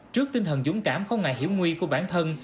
trước tinh thần dũng cảm không ngại hiểm nguy của bản thân